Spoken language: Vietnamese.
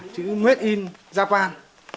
chữ made in japan